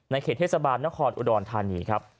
เขตเทศบาลนครอุดรธานีครับ